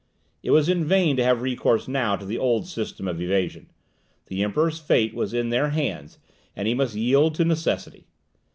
It was in vain to have recourse now to the old system of evasion. The Emperor's fate was in their hands, and he must yield to necessity.